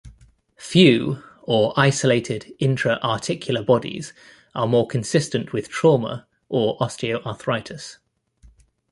Few or isolated intra-articular bodies are more consistent with trauma or osteoarthritis.